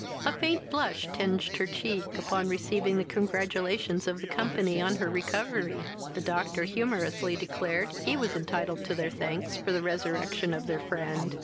A faint blush tinged her cheek upon receiving the congratulations of the company on her recovery. The doctor humourously declared he was entitled to their thanks for the resurrection of their friend.